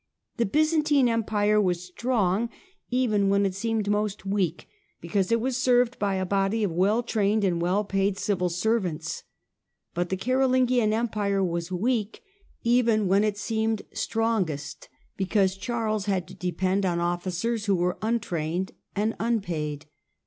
The Byzantine Em pire was strong, even when it seemed most weak, because it was served by a body of well trained and well paid civil servants ; but the Carolingian Empire was weak, even when it seemed strongest, because Charles had to depend on officers who were untrained and unpaid.